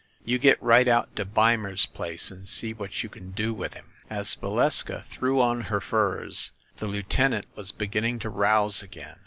You get right out to Beimer's place and see what you can do with him !" As Valeska threw on her furs the lieutenant was beginning to rouse again.